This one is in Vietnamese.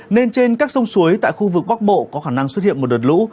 nên trên các sông suối tại khu vực bắc bộ có khả năng xuất hiện một đợt lũ